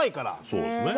そうですね。